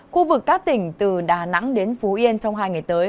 khu vực các tỉnh từ đà nẵng đến phú yên trong hai ngày tới